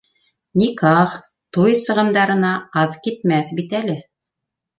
Никах, туй сығымдарына аҙ китмәҫ бит әле.